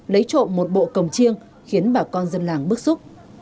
lấy trộm một bộ cồng chiêng khiến bà con dân làng bức xúc